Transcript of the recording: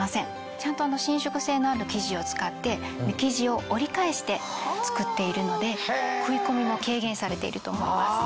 ちゃんと伸縮性のある生地を使って身生地を折り返して作っているので食い込みも軽減されていると思います。